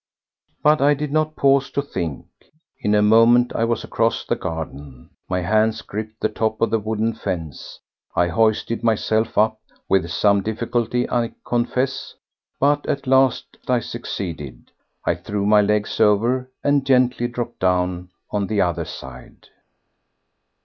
But I did not pause to think. In a moment I was across the garden, my hands gripped the top of the wooden fence, I hoisted myself up—with some difficulty, I confess—but at last I succeeded. I threw my leg over and gently dropped down on the other side.